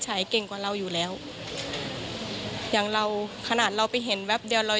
ก็ไปถึงอนามัยแล้วก็คิดว่าลูกเราปลอดภัยแล้วอะไรอย่างเนี่ยเนาะ